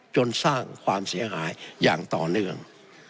จนสร้างความเสียหายอย่างต่อเนื่อง